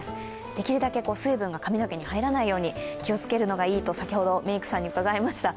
できるだけ水分が髪の毛に入らないよう気をつけるのがいいと、先ほど、メークさんに伺いました。